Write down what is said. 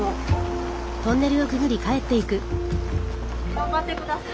頑張ってください。